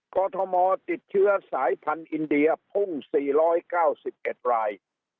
กอทมติดเชื้อสายพันธุ์อินเดียพุ่งสี่ร้อยเก้าสิบเอ็ดราย